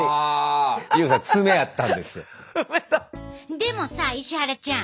でもさ石原ちゃん。